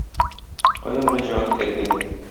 Кая мөрәҗәгать итәргә?